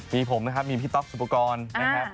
มีผมนะครับมีพี่ต๊อกสุปกรณ์นะครับ